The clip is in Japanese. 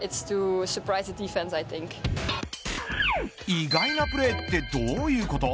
意外なプレーってどういうこと。